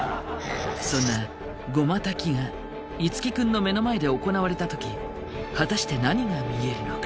そんな護摩焚きが樹君の目の前で行なわれたとき果たして何が見えるのか？